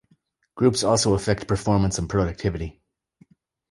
Groups also affect performance and productivity.